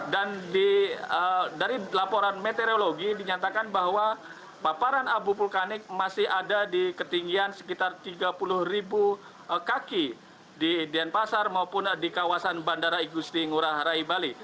dan dari laporan meteorologi dinyatakan bahwa paparan abu vulkanik masih ada di ketinggian sekitar tiga puluh ribu kaki di dian pasar maupun di kawasan bandara igusti ngurah rai bali